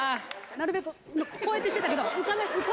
「なるべくこうやってしてたけど」